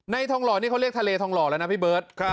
ทองหล่อนี่เขาเรียกทะเลทองหล่อแล้วนะพี่เบิร์ต